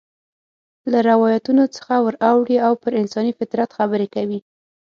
له روایتونو څخه ور اوړي او پر انساني فطرت خبرې کوي.